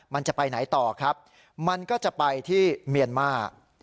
มันจะไปไหนต่อครับมันก็จะไปที่เมียนมาร์